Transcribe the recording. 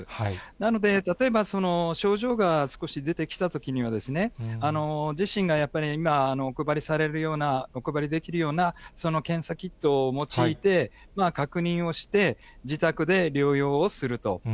なので、例えば症状が少し出てきたときには、自身がやっぱり今、お配りされるような、お配りできるような検査キットを用いて、確認をして、自宅で療養をすると。